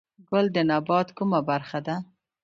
ګل د نبات کومه برخه ده؟